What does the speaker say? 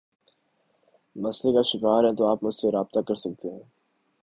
مسلئے کا شکار ہیں تو آپ مجھ سے رابطہ کر سکتے ہیں